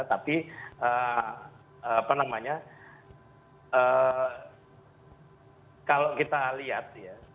tapi kalau kita lihat